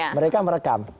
nah mereka merekam